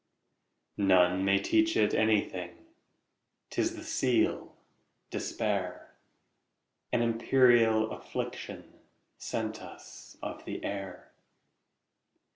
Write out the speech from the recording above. None may teach it anything,'T is the seal, despair,—An imperial afflictionSent us of the air.